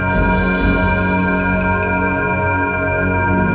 tuan tuan tuan tuan